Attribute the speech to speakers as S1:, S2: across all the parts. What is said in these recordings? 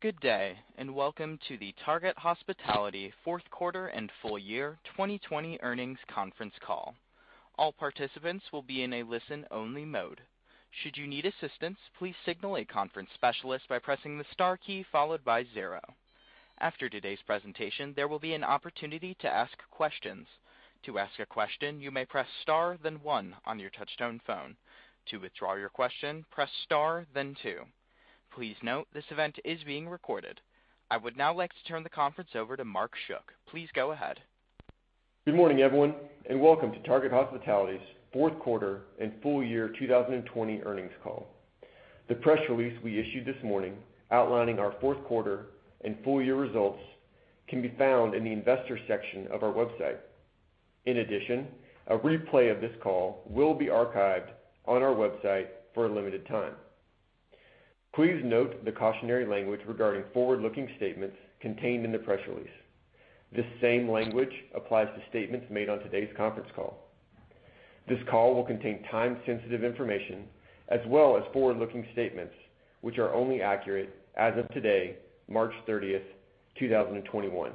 S1: Good day, and welcome to the Target Hospitality fourth quarter and full year 2020 earnings conference call. All participants will be a listen only mode should you need assistance please signal a conference specialist by pressing the star key followed by zero, after today presentation there will be an opportunity to ask a question. To ask your question you may press star then one on your touch tone phone, to withdraw your question press star then two. Please note this event is been recorded. I would now like to turn the conference over to Mark Schuck. Please go ahead.
S2: Good morning, everyone, and welcome to Target Hospitality's fourth quarter and full year 2020 earnings call. The press release we issued this morning outlining our fourth quarter and full year results can be found in the investor section of our website. In addition, a replay of this call will be archived on our website for a limited time. Please note the cautionary language regarding forward-looking statements contained in the press release. This same language applies to statements made on today's conference call. This call will contain time-sensitive information as well as forward-looking statements, which are only accurate as of today, March 30th, 2021.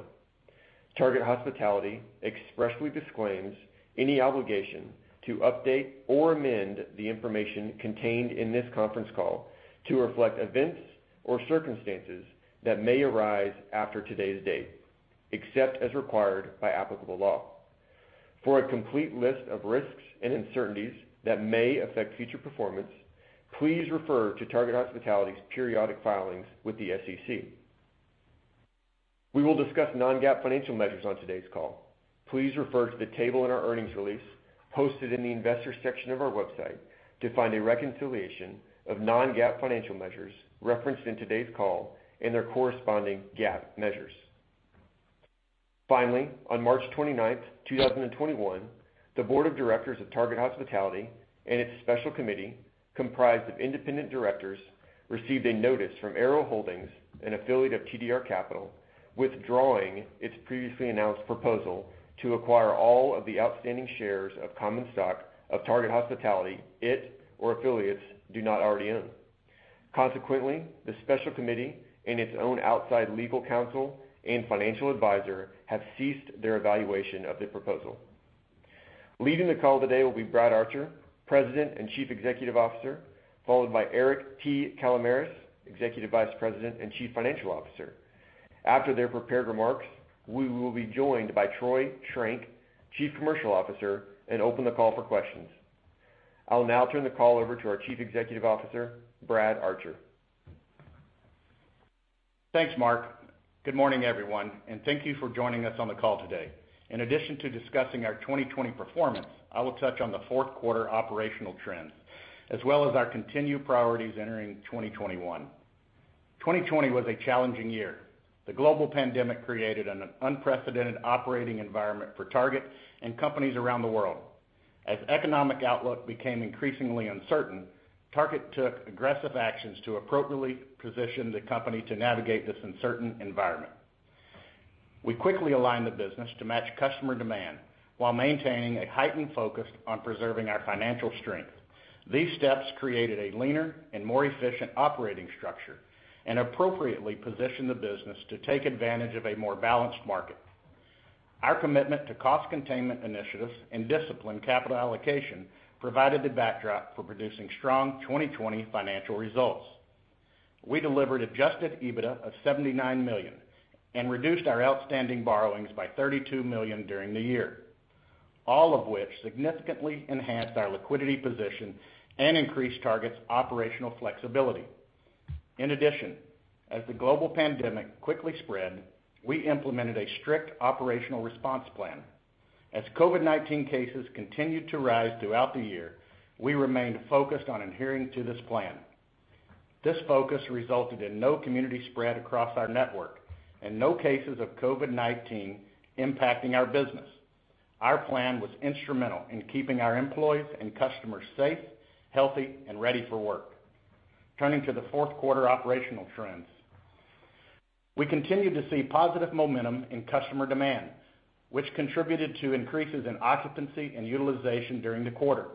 S2: Target Hospitality expressly disclaims any obligation to update or amend the information contained in this conference call to reflect events or circumstances that may arise after today's date, except as required by applicable law. For a complete list of risks and uncertainties that may affect future performance, please refer to Target Hospitality's periodic filings with the SEC. We will discuss non-GAAP financial measures on today's call. Please refer to the table in our earnings release, hosted in the investor section of our website, to find a reconciliation of non-GAAP financial measures referenced in today's call and their corresponding GAAP measures. Finally, on March 29th, 2021, the board of directors of Target Hospitality and its special committee, comprised of independent directors, received a notice from Arrow Holdings, an affiliate of TDR Capital, withdrawing its previously announced proposal to acquire all of the outstanding shares of common stock of Target Hospitality it or affiliates do not already own. Consequently, the special committee and its own outside legal counsel and financial advisor have ceased their evaluation of the proposal. Leading the call today will be Brad Archer, President and Chief Executive Officer, followed by Eric T. Kalamaras, Executive Vice President and Chief Financial Officer. After their prepared remarks, we will be joined by Troy Schrenk, Chief Commercial Officer, and open the call for questions. I will now turn the call over to our Chief Executive Officer, Brad Archer.
S3: Thanks, Mark. Good morning, everyone, and thank you for joining us on the call today. In addition to discussing our 2020 performance, I will touch on the fourth quarter operational trends as well as our continued priorities entering 2021. 2020 was a challenging year. The global pandemic created an unprecedented operating environment for Target and companies around the world. As economic outlook became increasingly uncertain, Target took aggressive actions to appropriately position the company to navigate this uncertain environment. We quickly aligned the business to match customer demand while maintaining a heightened focus on preserving our financial strength. These steps created a leaner and more efficient operating structure and appropriately positioned the business to take advantage of a more balanced market. Our commitment to cost containment initiatives and disciplined capital allocation provided the backdrop for producing strong 2020 financial results. We delivered adjusted EBITDA of $79 million and reduced our outstanding borrowings by $32 million during the year, all of which significantly enhanced our liquidity position and increased Target Hospitality's operational flexibility. In addition, as the global pandemic quickly spread, we implemented a strict operational response plan. As COVID-19 cases continued to rise throughout the year, we remained focused on adhering to this plan. This focus resulted in no community spread across our network and no cases of COVID-19 impacting our business. Our plan was instrumental in keeping our employees and customers safe, healthy, and ready for work. Turning to the fourth quarter operational trends. We continue to see positive momentum in customer demand, which contributed to increases in occupancy and utilization during the quarter.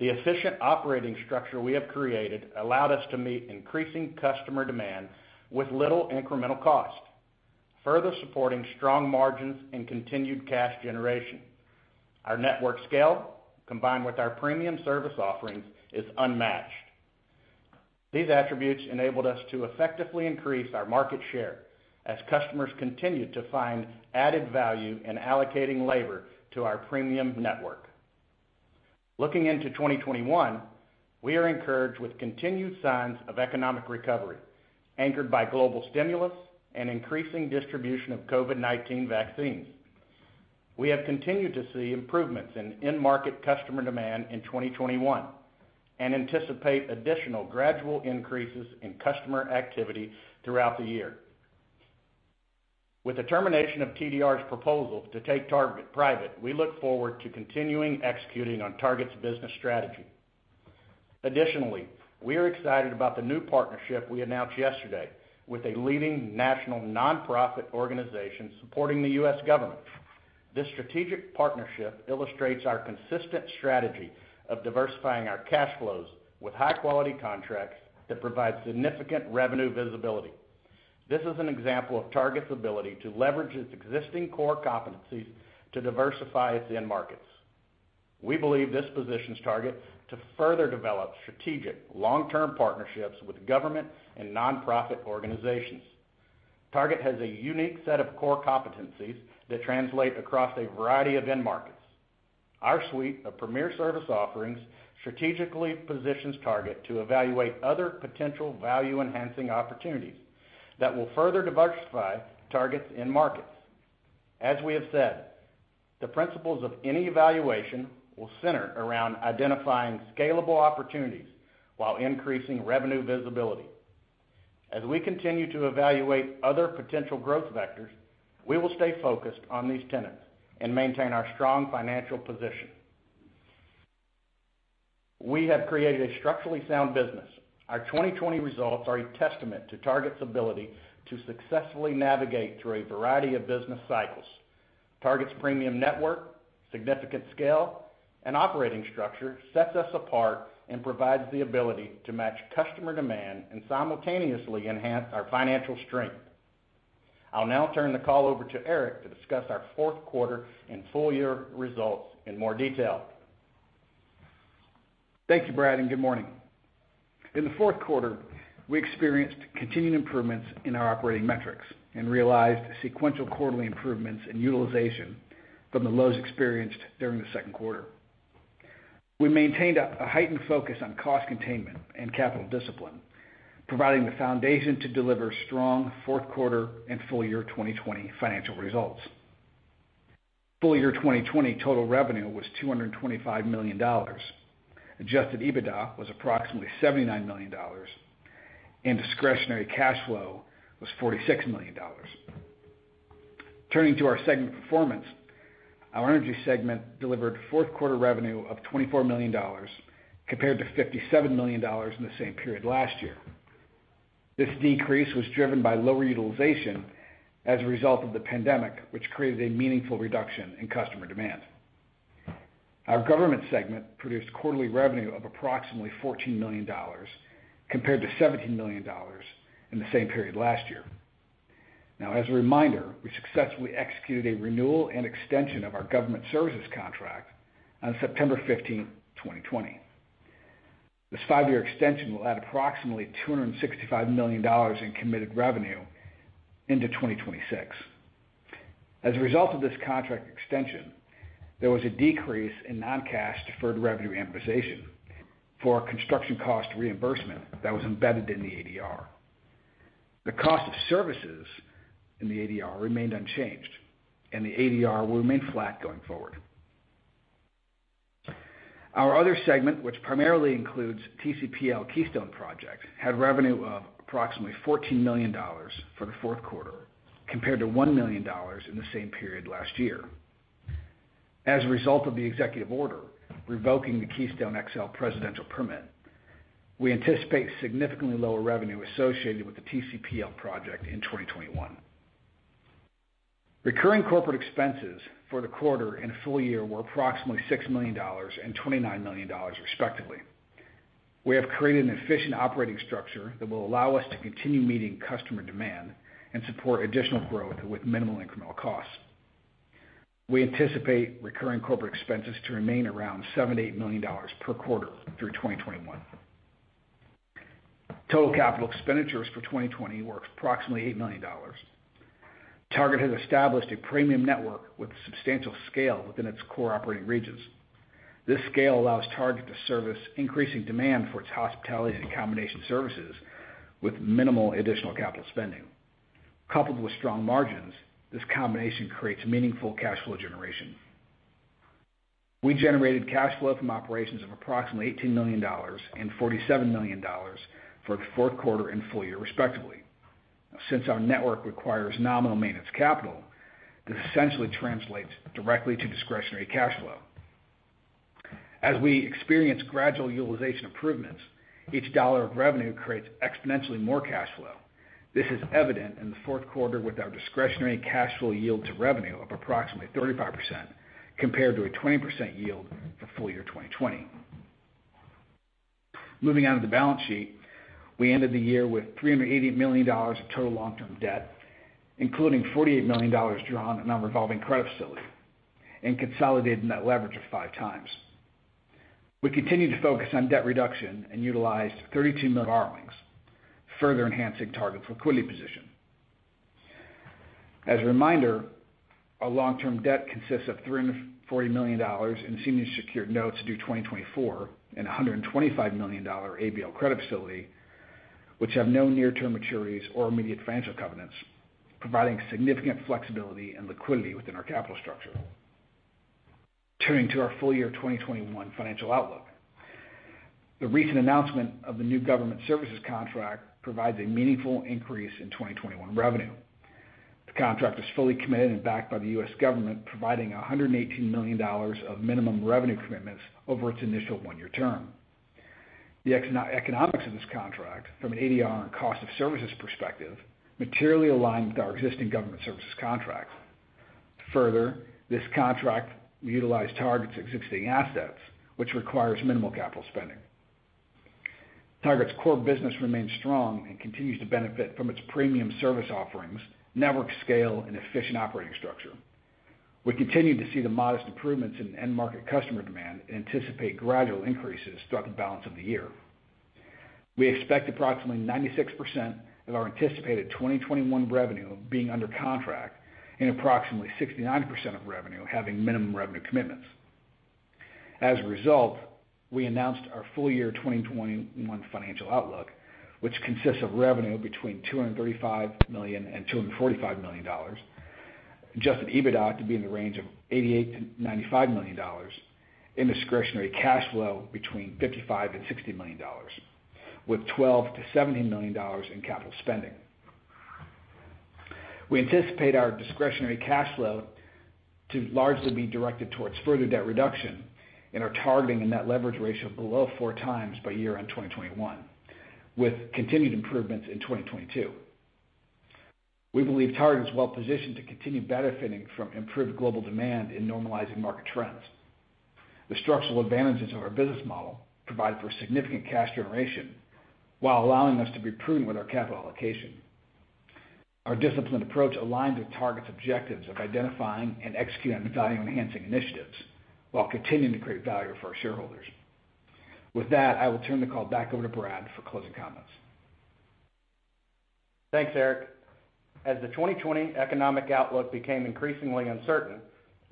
S3: The efficient operating structure we have created allowed us to meet increasing customer demand with little incremental cost, further supporting strong margins and continued cash generation. Our network scale, combined with our premium service offerings, is unmatched. These attributes enabled us to effectively increase our market share as customers continued to find added value in allocating labor to our premium network. Looking into 2021, we are encouraged with continued signs of economic recovery, anchored by global stimulus and increasing distribution of COVID-19 vaccines. We have continued to see improvements in end market customer demand in 2021 and anticipate additional gradual increases in customer activity throughout the year. With the termination of TDR's proposal to take Target private, we look forward to continuing executing on Target's business strategy. Additionally, we are excited about the new partnership we announced yesterday with a leading national nonprofit organization supporting the U.S. government. This strategic partnership illustrates our consistent strategy of diversifying our cash flows with high-quality contracts that provide significant revenue visibility. This is an example of Target's ability to leverage its existing core competencies to diversify its end markets. We believe this positions Target to further develop strategic long-term partnerships with government and nonprofit organizations. Target has a unique set of core competencies that translate across a variety of end markets. Our suite of premier service offerings strategically positions Target to evaluate other potential value-enhancing opportunities that will further diversify Target's end markets. As we have said, the principles of any evaluation will center around identifying scalable opportunities while increasing revenue visibility. As we continue to evaluate other potential growth vectors, we will stay focused on these tenets and maintain our strong financial position. We have created a structurally sound business. Our 2020 results are a testament to Target's ability to successfully navigate through a variety of business cycles. Target's premium network, significant scale, and operating structure sets us apart and provides the ability to match customer demand and simultaneously enhance our financial strength. I'll now turn the call over to Eric to discuss our fourth quarter and full-year results in more detail.
S4: Thank you, Brad, and good morning. In the fourth quarter, we experienced continued improvements in our operating metrics and realized sequential quarterly improvements in utilization from the lows experienced during the second quarter. We maintained a heightened focus on cost containment and capital discipline, providing the foundation to deliver strong fourth quarter and full year 2020 financial results. Full year 2020 total revenue was $225 million. Adjusted EBITDA was approximately $79 million, and discretionary cash flow was $46 million. Turning to our segment performance, our Energy Segment delivered fourth quarter revenue of $24 million compared to $57 million in the same period last year. This decrease was driven by lower utilization as a result of the pandemic, which created a meaningful reduction in customer demand. Our Government Segment produced quarterly revenue of approximately $14 million, compared to $17 million in the same period last year. As a reminder, we successfully executed a renewal and extension of our government services contract on September 15, 2020. This five-year extension will add approximately $265 million in committed revenue into 2026. As a result of this contract extension, there was a decrease in non-cash deferred revenue amortization for construction cost reimbursement that was embedded in the ADR. The cost of services in the ADR remained unchanged, and the ADR will remain flat going forward. Our other segment, which primarily includes TC Energy Keystone Project, had revenue of approximately $14 million for the fourth quarter, compared to $1 million in the same period last year. As a result of the executive order revoking the Keystone XL Pipeline presidential permit, we anticipate significantly lower revenue associated with the TC Energy project in 2021. Recurring corporate expenses for the quarter and full year were approximately $6 million and $29 million, respectively. We have created an efficient operating structure that will allow us to continue meeting customer demand and support additional growth with minimal incremental costs. We anticipate recurring corporate expenses to remain around $7 million-$8 million per quarter through 2021. Total capital expenditures for 2020 were approximately $8 million. Target has established a premium network with substantial scale within its core operating regions. This scale allows Target to service increasing demand for its hospitality and accommodation services with minimal additional capital spending. Coupled with strong margins, this combination creates meaningful cash flow generation. We generated cash flow from operations of approximately $18 million and $47 million for the fourth quarter and full year, respectively. Since our network requires nominal maintenance capital, this essentially translates directly to discretionary cash flow. As we experience gradual utilization improvements, each dollar of revenue creates exponentially more cash flow. This is evident in the fourth quarter with our discretionary cash flow yield to revenue of approximately 35%, compared to a 20% yield for full year 2020. Moving on to the balance sheet. We ended the year with $380 million of total long-term debt, including $48 million drawn on our revolving credit facility and consolidated net leverage of five times. We continue to focus on debt reduction and utilized $32 million of borrowings, further enhancing Target's liquidity position. As a reminder, our long-term debt consists of $340 million in senior secured notes due 2024 and $125 million ABL credit facility, which have no near-term maturities or immediate financial covenants, providing significant flexibility and liquidity within our capital structure. Turning to our full year 2021 financial outlook. The recent announcement of the new government services contract provides a meaningful increase in 2021 revenue. The contract is fully committed and backed by the U.S. government, providing $118 million of minimum revenue commitments over its initial one-year term. The economics of this contract from an ADR and cost of services perspective materially align with our existing government services contract. This contract will utilize Target's existing assets, which requires minimal capital spending. Target's core business remains strong and continues to benefit from its premium service offerings, network scale, and efficient operating structure. We continue to see the modest improvements in end market customer demand and anticipate gradual increases throughout the balance of the year. We expect approximately 96% of our anticipated 2021 revenue being under contract and approximately 69% of revenue having minimum revenue commitments. As a result, we announced our full year 2021 financial outlook, which consists of revenue between $235 million and $245 million, adjusted EBITDA to be in the range of $88 million-$95 million, and discretionary cash flow between $55 million and $60 million, with $12 million-$17 million in capital spending. We anticipate our discretionary cash flow to largely be directed towards further debt reduction and are targeting a net leverage ratio of below four times by year-end 2021, with continued improvements in 2022. We believe Target is well positioned to continue benefiting from improved global demand in normalizing market trends. The structural advantages of our business model provide for significant cash generation while allowing us to be prudent with our capital allocation. Our disciplined approach aligns with Target's objectives of identifying and executing value-enhancing initiatives while continuing to create value for our shareholders. With that, I will turn the call back over to Brad for closing comments.
S3: Thanks, Eric. As the 2020 economic outlook became increasingly uncertain,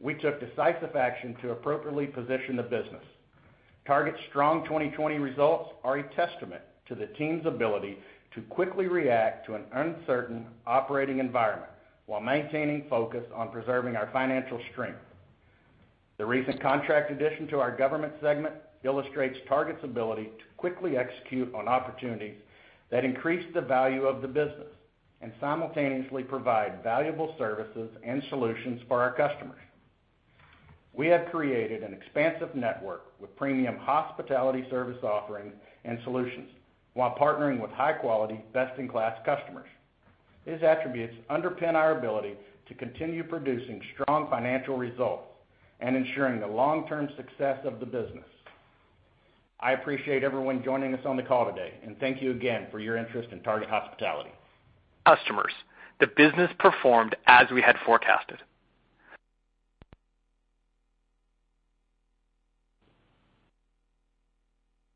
S3: we took decisive action to appropriately position the business. Target's strong 2020 results are a testament to the team's ability to quickly react to an uncertain operating environment while maintaining focus on preserving our financial strength. The recent contract addition to our government segment illustrates Target's ability to quickly execute on opportunities that increase the value of the business and simultaneously provide valuable services and solutions for our customers. We have created an expansive network with premium hospitality service offerings and solutions while partnering with high-quality, best-in-class customers. These attributes underpin our ability to continue producing strong financial results and ensuring the long-term success of the business. I appreciate everyone joining us on the call today, and thank you again for your interest in Target Hospitality. Customers, the business performed as we had forecasted.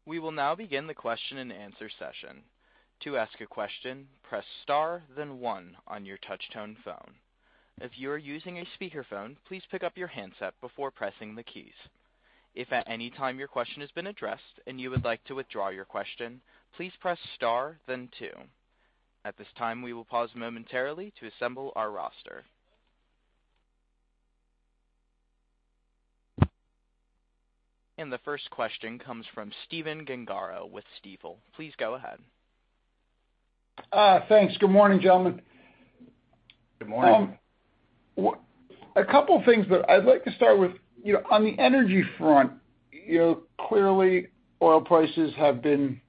S1: We will now begin the question and answer session. To ask your question, press star then one on your touch tone phone, if you are using a speaker phone please pick up your handset before pressing the key. If at anytime your question is been addressed and you would like to withdraw your question, please press star then two. At this time we would pause momentarily to assemble our roster. The first question comes from Stephen Gengaro with Stifel. Please go ahead.
S5: Thanks. Good morning, gentlemen.
S3: Good morning.
S5: A couple things that I'd like to start with. On the energy front, clearly oil prices have been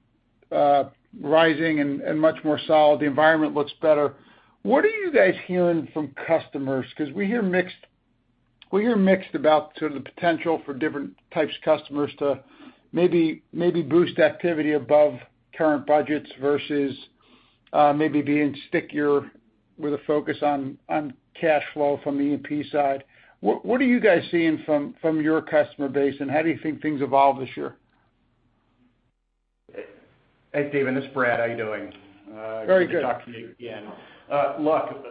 S5: rising and much more solid. The environment looks better. What are you guys hearing from customers? We hear mixed about the potential for different types of customers to maybe boost activity above current budgets versus maybe being stickier with a focus on cash flow from the E&P side. What are you guys seeing from your customer base, and how do you think things evolve this year?
S3: Hey, Stephen, it's Brad. How you doing?
S5: Very good.
S3: Good to talk to you again. Look,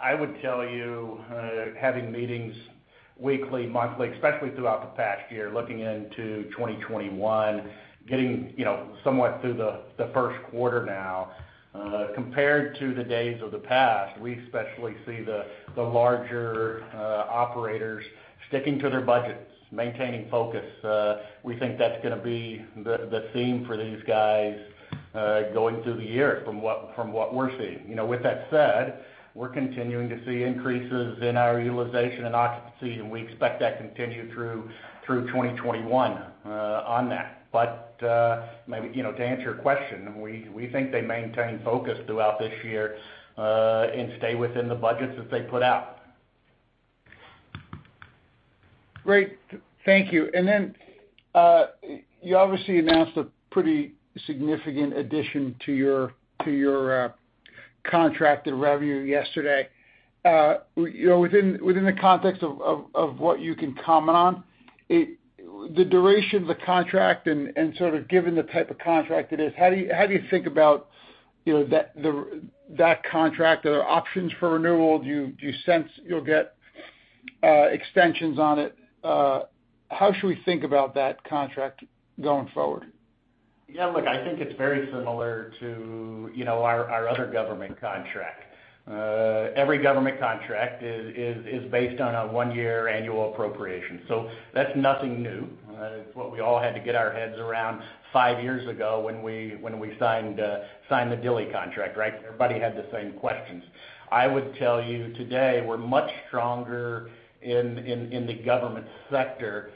S3: I would tell you, having meetings weekly, monthly, especially throughout the past year, looking into 2021, getting somewhat through the first quarter now. Compared to the days of the past, we especially see the larger operators sticking to their budgets, maintaining focus. We think that's going to be the theme for these guys going through the year from what we're seeing. With that said, we're continuing to see increases in our utilization and occupancy, and we expect that to continue through 2021 on that. To answer your question, we think they maintain focus throughout this year and stay within the budgets that they put out.
S5: Great. Thank you. You obviously announced a pretty significant addition to your contracted revenue yesterday. Within the context of what you can comment on, the duration of the contract and sort of given the type of contract it is, how do you think about that contract? Are there options for renewal? Do you sense you'll get extensions on it? How should we think about that contract going forward?
S3: Yeah, look, I think it's very similar to our other government contract. Every government contract is based on a one-year annual appropriation. That's nothing new. It's what we all had to get our heads around five years ago when we signed the Dilley contract, right? Everybody had the same questions. I would tell you today, we're much stronger in the government sector.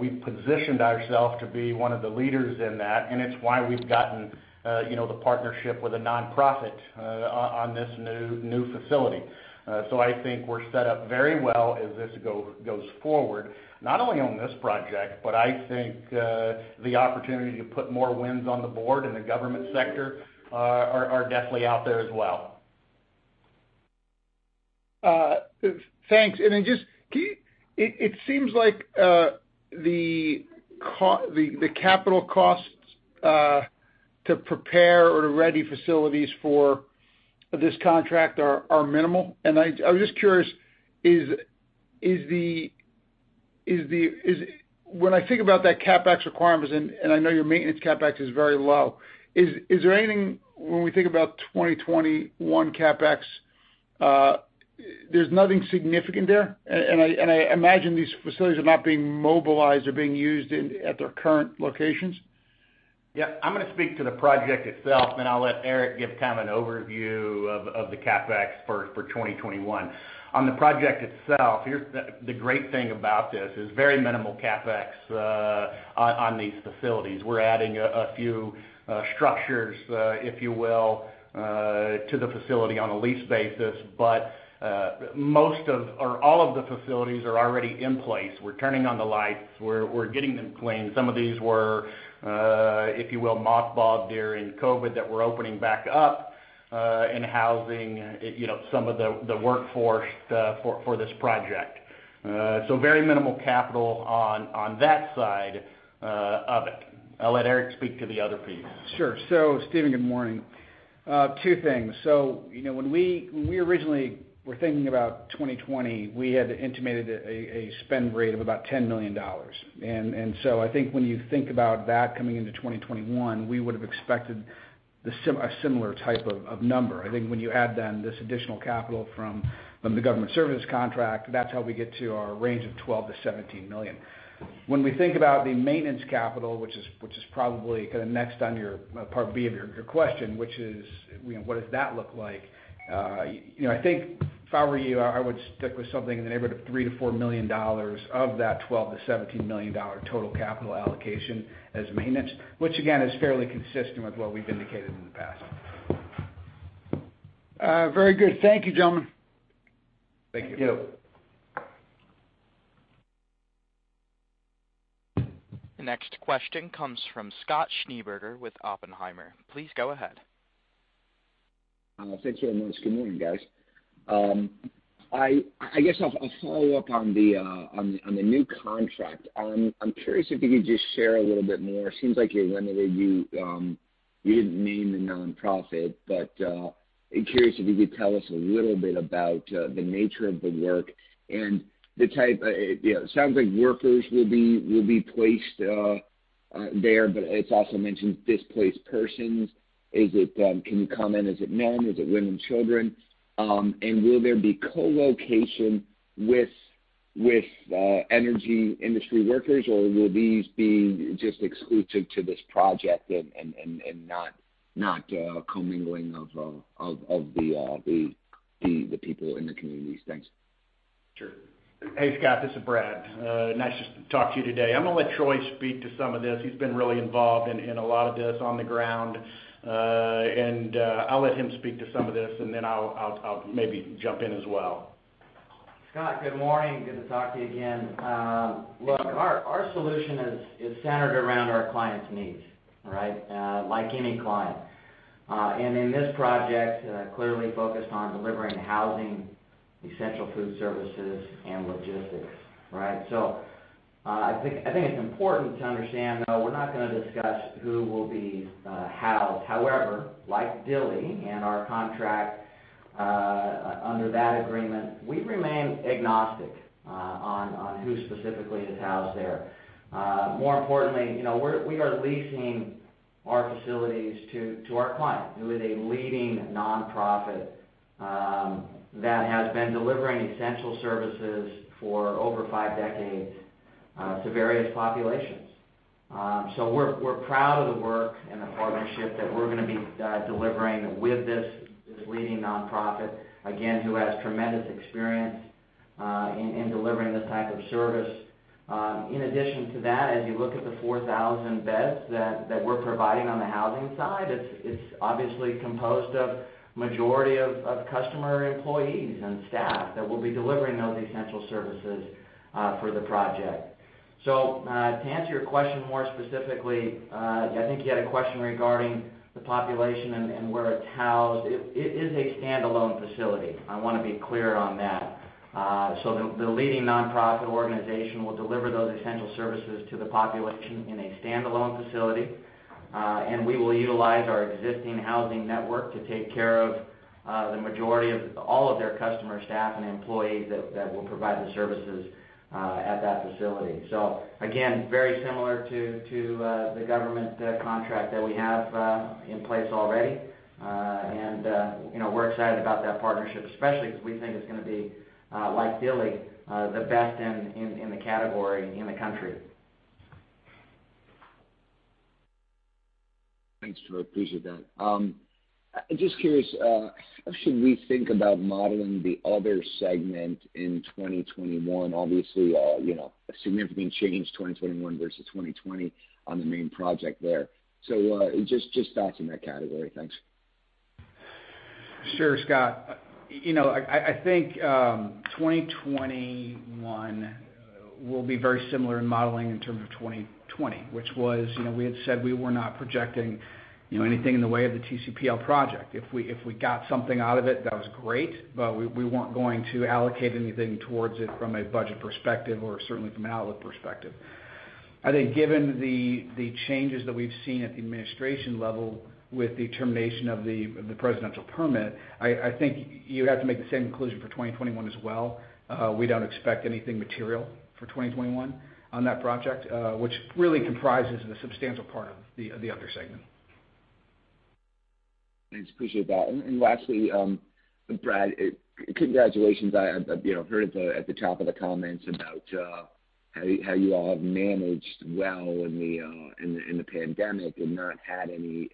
S3: We've positioned ourselves to be one of the leaders in that, and it's why we've gotten the partnership with a nonprofit on this new facility. I think we're set up very well as this goes forward, not only on this project, but I think the opportunity to put more wins on the board in the government sector are definitely out there as well.
S5: Thanks. It seems like the capital costs to prepare or to ready facilities for this contract are minimal. I was just curious, when I think about that CapEx requirements, and I know your maintenance CapEx is very low, is there anything when we think about 2021 CapEx, there's nothing significant there? I imagine these facilities are not being mobilized or being used at their current locations.
S3: Yeah. I'm going to speak to the project itself. I'll let Eric give kind of an overview of the CapEx for 2021. On the project itself, the great thing about this is very minimal CapEx on these facilities. We're adding a few structures, if you will, to the facility on a lease basis. All of the facilities are already in place. We're turning on the lights. We're getting them cleaned. Some of these were, if you will, mothballed during COVID that we're opening back up, and housing some of the workforce for this project. Very minimal capital on that side of it. I'll let Eric speak to the other piece.
S4: Stephen, good morning. Two things. When we originally were thinking about 2020, we had intimated a spend rate of about $10 million. I think when you think about that coming into 2021, we would've expected a similar type of number. I think when you add then this additional capital from the government services contract, that's how we get to our range of $12 million-$17 million. When we think about the maintenance capital, which is probably kind of next on your part B of your question, which is, what does that look like? I think if I were you, I would stick with something in the neighborhood of $3 million-$4 million of that $12 million-$17 million total capital allocation as maintenance, which again, is fairly consistent with what we've indicated in the past.
S5: Very good. Thank you, gentlemen.
S3: Thank you.
S4: Thank you.
S1: The next question comes from Scott Schneeberger with Oppenheimer. Please go ahead.
S6: Thank you very much. Good morning, guys. I guess I'll follow up on the new contract. I'm curious if you could just share a little bit more. It seems like you alluded, you didn't name the nonprofit. I'm curious if you could tell us a little bit about the nature of the work and the type It sounds like workers will be placed there. It's also mentioned displaced persons. Can you comment, is it men, is it women, children? Will there be co-location with energy industry workers, or will these be just exclusive to this project and not commingling of the people in the communities? Thanks.
S3: Sure. Hey, Scott, this is Brad. Nice to talk to you today. I'm going to let Troy speak to some of this. He's been really involved in a lot of this on the ground. I'll let him speak to some of this and then I'll maybe jump in as well.
S7: Scott, good morning. Good to talk to you again. Look, our solution is centered around our client's needs. Like any client. In this project, clearly focused on delivering housing, essential food services, and logistics. I think it's important to understand, though, we're not going to discuss who will be housed. However, like Dilley and our contract under that agreement, we remain agnostic on who specifically is housed there. More importantly, we are leasing our facilities to our client, who is a leading nonprofit that has been delivering essential services for over 5 decades to various populations. We're proud of the work and the partnership that we're going to be delivering with this leading nonprofit, again, who has tremendous experience in delivering this type of service. In addition to that, as you look at the 4,000 beds that we're providing on the housing side, it's obviously composed of majority of customer employees and staff that will be delivering those essential services for the project. To answer your question more specifically, I think you had a question regarding the population and where it's housed. It is a standalone facility. I want to be clear on that. The leading nonprofit organization will deliver those essential services to the population in a standalone facility. We will utilize our existing housing network to take care of the majority of all of their customer staff and employees that will provide the services at that facility. Again, very similar to the government contract that we have in place already. We're excited about that partnership, especially because we think it's going to be, like Dilley, the best in the category in the country.
S6: Thanks, Troy. Appreciate that. Just curious, how should we think about modeling the other segment in 2021? Obviously, a significant change 2021 versus 2020 on the main project there. Just thoughts in that category. Thanks.
S4: Sure, Scott. I think 2021 will be very similar in modeling in terms of 2020, which was, we had said we were not projecting anything in the way of the TCPL project. If we got something out of it, that was great, but we weren't going to allocate anything towards it from a budget perspective or certainly from an outlook perspective. I think given the changes that we've seen at the administration level with the termination of the presidential permit, I think you would have to make the same conclusion for 2021 as well. We don't expect anything material for 2021 on that project, which really comprises a substantial part of the other segment.
S6: Thanks. Appreciate that. Lastly, Brad, congratulations. I heard at the top of the comments about how you all have managed well in the pandemic and not had any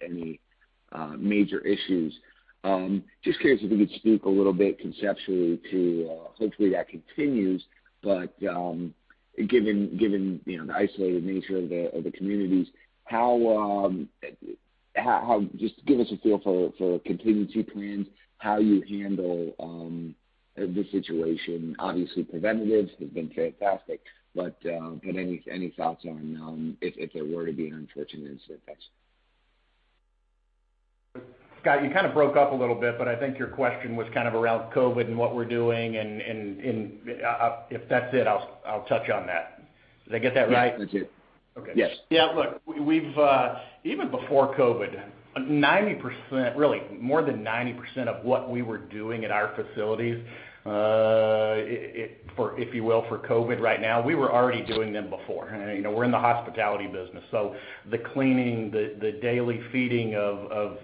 S6: major issues. Just curious if you could speak a little bit conceptually to, hopefully, that continues, but given the isolated nature of the communities, just give us a feel for contingency plans, how you handle the situation. Obviously, preventatives have been fantastic, but any thoughts on if there were to be an unfortunate incident? Thanks.
S3: Scott, you kind of broke up a little bit, but I think your question was kind of around COVID and what we're doing, and if that's it, I'll touch on that. Did I get that right?
S6: Yeah, that's it.
S3: Okay.
S6: Yes.
S3: Yeah, look, even before COVID-19, 90%, really more than 90% of what we were doing at our facilities, if you will, for COVID-19 right now, we were already doing them before. We're in the hospitality business, so the cleaning, the daily feeding of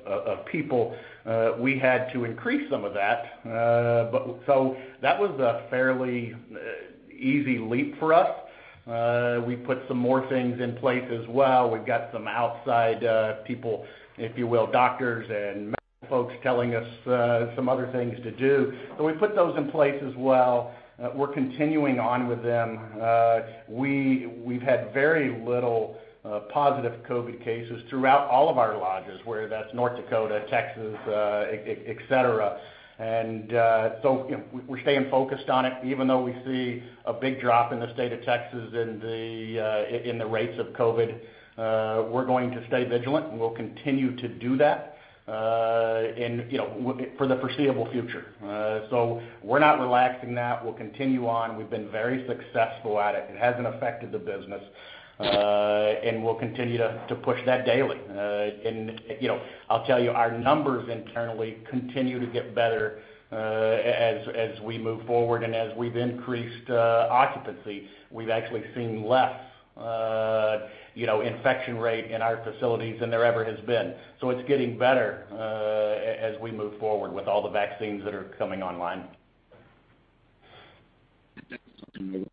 S3: people, we had to increase some of that. That was a fairly easy leap for us. We put some more things in place as well. We've got some outside people, if you will, doctors and medical folks telling us some other things to do. We put those in place as well. We're continuing on with them. We've had very little positive COVID-19 cases throughout all of our lodges, whether that's North Dakota, Texas, et cetera. We're staying focused on it, even though we see a big drop in the state of Texas in the rates of COVID-19. We're going to stay vigilant. We'll continue to do that for the foreseeable future. We're not relaxing that. We'll continue on. We've been very successful at it. It hasn't affected the business. We'll continue to push that daily. I'll tell you, our numbers internally continue to get better as we move forward and as we've increased occupancy. We've actually seen less infection rate in our facilities than there ever has been. It's getting better as we move forward with all the vaccines that are coming online.
S6: Thanks.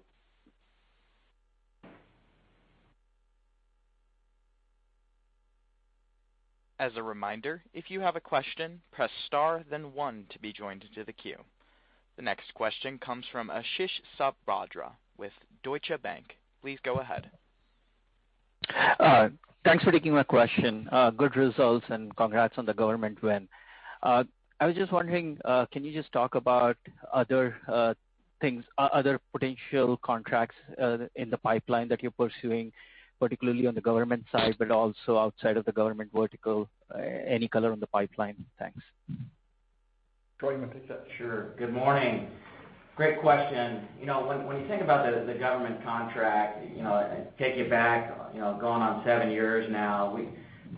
S1: As a reminder, if you have a question, press star then one to be joined into the queue. The next question comes from Ashish Sabadra with Deutsche Bank. Please go ahead.
S8: Thanks for taking my question. Good results and congrats on the government win. I was just wondering, can you just talk about other potential contracts in the pipeline that you're pursuing, particularly on the government side, but also outside of the government vertical? Any color on the pipeline? Thanks.
S3: Troy, you want to pick this up?
S7: Sure. Good morning. Great question. When you think about the government contract, take it back, going on seven years now,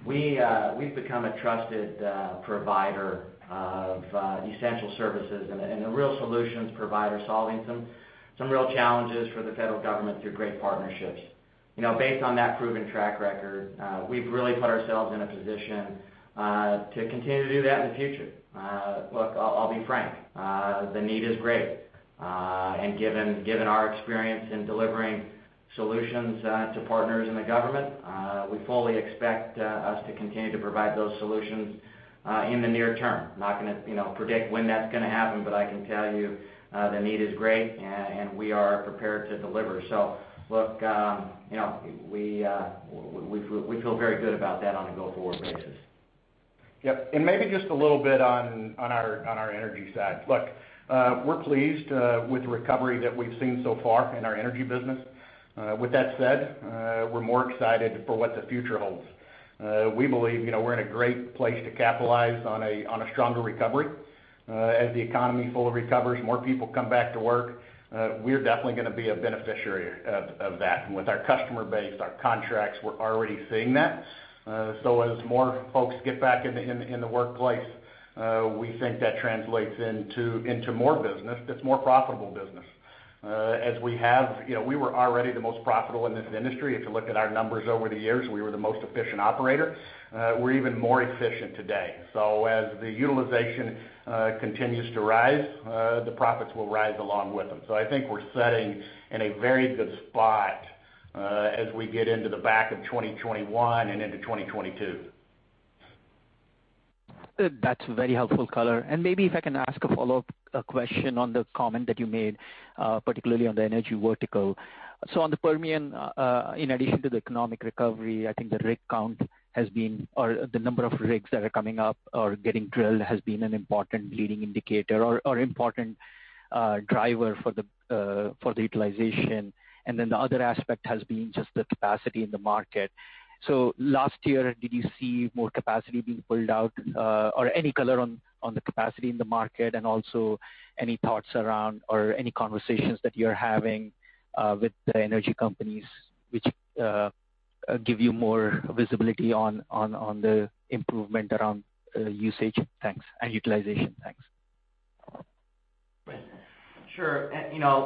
S7: we've become a trusted provider of essential services and a real solutions provider, solving some real challenges for the federal government through great partnerships. Based on that proven track record, we've really put ourselves in a position to continue to do that in the future. Look, I'll be frank. The need is great. Given our experience in delivering solutions to partners in the government, we fully expect us to continue to provide those solutions in the near term. Not going to predict when that's going to happen, but I can tell you the need is great, and we are prepared to deliver. Look, we feel very good about that on a go-forward basis.
S3: Yep. Maybe just a little bit on our energy side. Look, we're pleased with the recovery that we've seen so far in our energy business. With that said, we're more excited for what the future holds. We believe we're in a great place to capitalize on a stronger recovery. As the economy fully recovers, more people come back to work, we're definitely going to be a beneficiary of that. With our customer base, our contracts, we're already seeing that. As more folks get back in the workplace, we think that translates into more business that's more profitable business. We were already the most profitable in this industry. If you look at our numbers over the years, we were the most efficient operator. We're even more efficient today. As the utilization continues to rise, the profits will rise along with them. I think we're sitting in a very good spot, as we get into the back of 2021 and into 2022.
S8: That's very helpful color. Maybe if I can ask a follow-up question on the comment that you made, particularly on the energy vertical. On the Permian, in addition to the economic recovery, I think the rig count or the number of rigs that are coming up or getting drilled has been an important leading indicator or important driver for the utilization. Then the other aspect has been just the capacity in the market. Last year, did you see more capacity being pulled out, or any color on the capacity in the market, and also any thoughts around or any conversations that you're having with the energy companies, which give you more visibility on the improvement around usage? Thanks. Utilization. Thanks.
S7: Sure.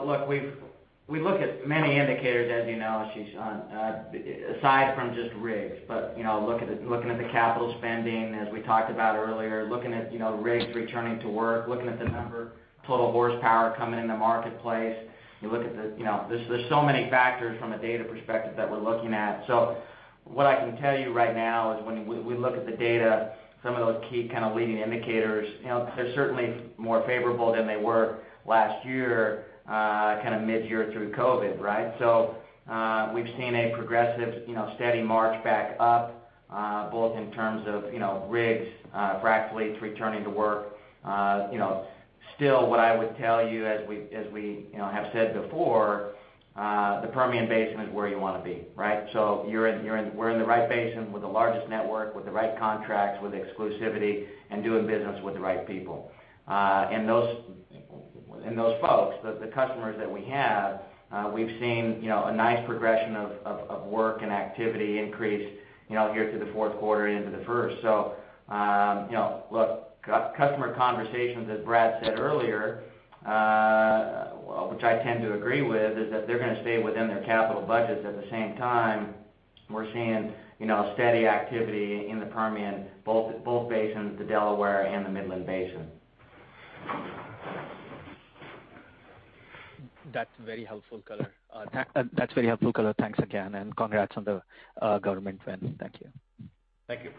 S7: Look, we look at many indicators, as you know, Ashish, aside from just rigs. Looking at the capital spending, as we talked about earlier, looking at rigs returning to work, looking at the number total horsepower coming in the marketplace. There's so many factors from a data perspective that we're looking at. What I can tell you right now is when we look at the data, some of those key kind of leading indicators, they're certainly more favorable than they were last year, kind of mid-year through COVID-19, right? We've seen a progressive steady march back up, both in terms of rigs, frac fleets returning to work. What I would tell you as we have said before, the Permian Basin is where you want to be, right? We're in the right basin with the largest network, with the right contracts, with exclusivity and doing business with the right people. Those folks, the customers that we have, we've seen a nice progression of work and activity increase here through the fourth quarter into the first. Look, customer conversations, as Brad said earlier, which I tend to agree with, is that they're going to stay within their capital budgets. At the same time, we're seeing steady activity in the Permian, both basins, the Delaware and the Midland basin.
S8: That's very helpful color. Thanks again, and congrats on the government win. Thank you.
S7: Thank you.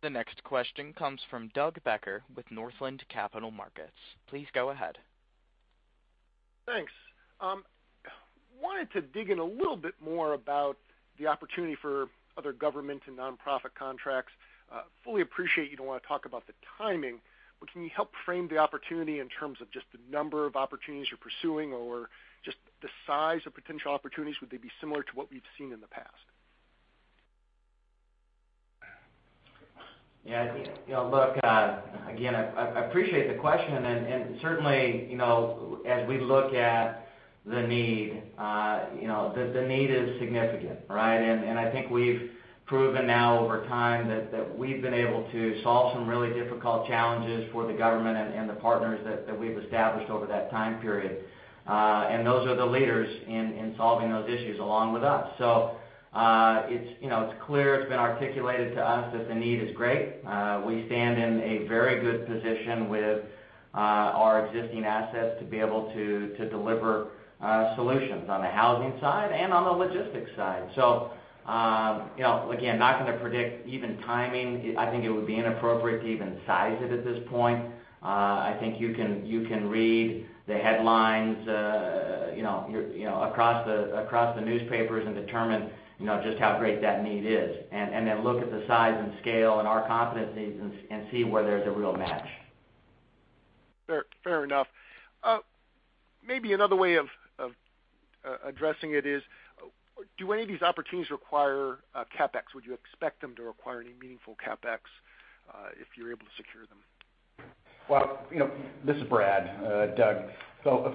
S1: The next question comes from Doug Becker with Northland Capital Markets. Please go ahead.
S9: Thanks. Wanted to dig in a little bit more about the opportunity for other government and nonprofit contracts. Fully appreciate you don't want to talk about the timing, can you help frame the opportunity in terms of just the number of opportunities you're pursuing or just the size of potential opportunities? Would they be similar to what we've seen in the past?
S7: Yeah. Look, again, I appreciate the question, and certainly, as we look at the need, the need is significant, right? I think we've proven now over time that we've been able to solve some really difficult challenges for the government and the partners that we've established over that time period. Those are the leaders in solving those issues along with us. It's clear, it's been articulated to us that the need is great. We stand in a very good position with our existing assets to be able to deliver solutions on the housing side and on the logistics side. Again, not going to predict even timing. I think it would be inappropriate to even size it at this point. I think you can read the headlines across the newspapers and determine just how great that need is, and then look at the size and scale and our competencies and see where there's a real match.
S9: Fair enough. Maybe another way of addressing it is, do any of these opportunities require CapEx? Would you expect them to require any meaningful CapEx, if you're able to secure them?
S3: This is Brad. Doug,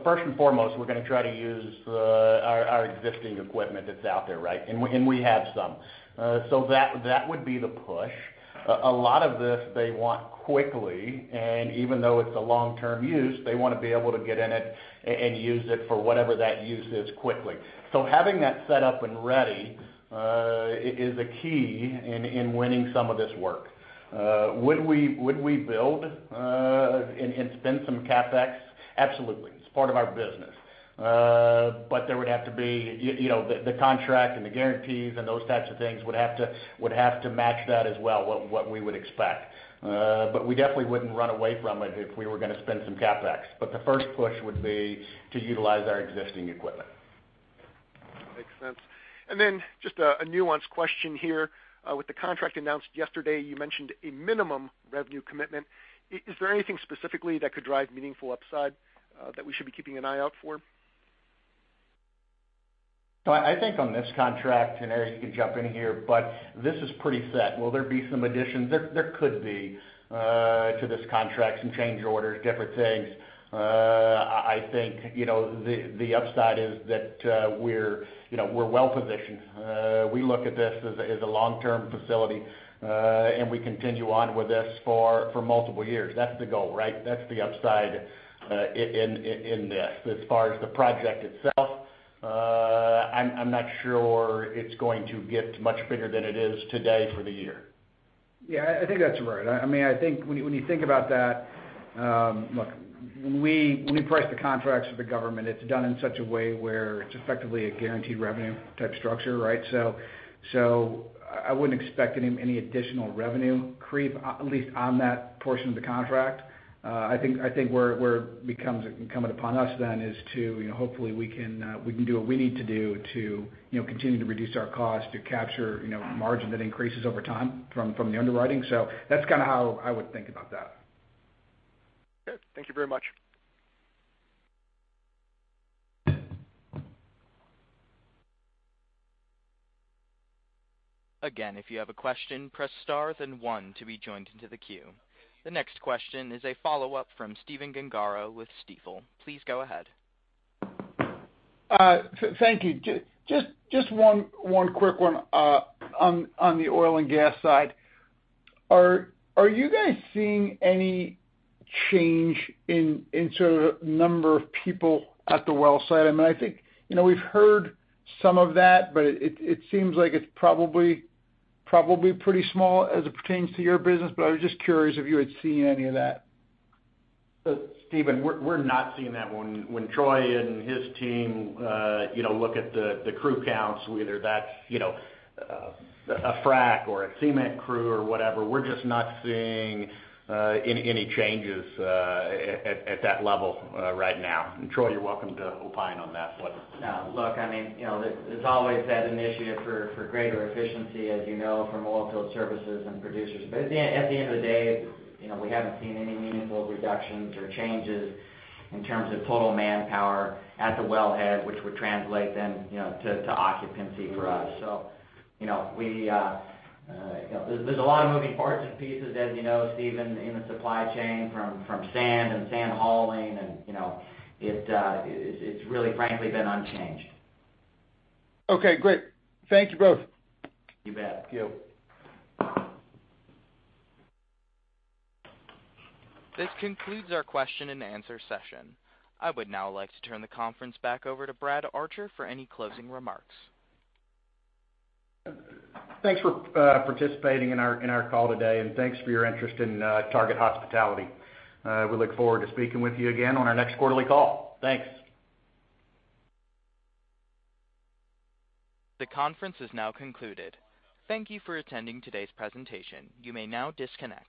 S3: first and foremost, we're going to try to use our existing equipment that's out there, right? We have some. That would be the push. A lot of this they want quickly, and even though it's a long-term use, they want to be able to get in it and use it for whatever that use is quickly. Having that set up and ready is a key in winning some of this work. Would we build and spend some CapEx? Absolutely. It's part of our business. There would have to be the contract and the guarantees, and those types of things would have to match that as well, what we would expect. We definitely wouldn't run away from it if we were going to spend some CapEx. The first push would be to utilize our existing equipment.
S9: Makes sense. Just a nuanced question here. With the contract announced yesterday, you mentioned a minimum revenue commitment. Is there anything specifically that could drive meaningful upside that we should be keeping an eye out for?
S3: No, I think on this contract, and Eric, you can jump in here, but this is pretty set. Will there be some additions? There could be to this contract, some change orders, different things. I think the upside is that we're well-positioned. We look at this as a long-term facility, and we continue on with this for multiple years. That's the goal, right? That's the upside in this. As far as the project itself, I'm not sure it's going to get much bigger than it is today for the year.
S4: Yeah, I think that's right. When you think about that, look, when we price the contracts for the government, it's done in such a way where it's effectively a guaranteed revenue type structure, right? I wouldn't expect any additional revenue creep, at least on that portion of the contract. I think where it becomes incumbent upon us then is to hopefully we can do what we need to do to continue to reduce our cost to capture margin that increases over time from the underwriting. That's kind of how I would think about that.
S9: Okay. Thank you very much.
S1: Again, if you have a question, press star then one to be joined into the queue. The next question is a follow-up from Stephen Gengaro with Stifel. Please go ahead.
S5: Thank you. Just one quick one on the oil and gas side. Are you guys seeing any change in sort of number of people at the well site? I think we've heard some of that, but it seems like it's probably pretty small as it pertains to your business, but I was just curious if you had seen any of that.
S3: Stephen, we're not seeing that one. When Troy and his team look at the crew counts, whether that's a frack or a cement crew or whatever, we're just not seeing any changes at that level right now. Troy, you're welcome to opine on that.
S7: No. Look, there's always that initiative for greater efficiency, as you know, from oil field services and producers. At the end of the day, we haven't seen any meaningful reductions or changes in terms of total manpower at the wellhead, which would translate then to occupancy for us. There's a lot of moving parts and pieces, as you know, Stephen, in the supply chain, from sand and sand hauling, and it's really, frankly, been unchanged.
S5: Okay, great. Thank you both.
S7: You bet.
S3: Thank you.
S1: This concludes our question and answer session. I would now like to turn the conference back over to Brad Archer for any closing remarks.
S3: Thanks for participating in our call today, and thanks for your interest in Target Hospitality. We look forward to speaking with you again on our next quarterly call.
S4: Thanks.
S1: The conference is now concluded. Thank you for attending today's presentation. You may now disconnect.